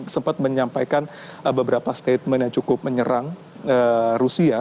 sempat menyampaikan beberapa statement yang cukup menyerang rusia